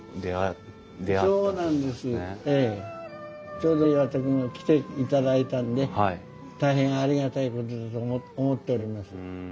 ちょうど岩田君が来ていただいたんで大変ありがたいことだと思っております。